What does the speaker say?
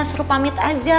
suruh pamit aja